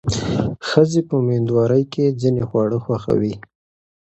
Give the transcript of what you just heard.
ښځې په مېندوارۍ کې ځینې خواړه خوښوي.